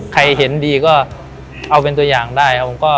ใครเห็นดีก็เอาเป็นตัวอย่างได้ครับผม